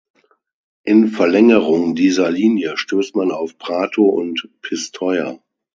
In Verlängerung dieser Linie stößt man auf Prato und Pistoia.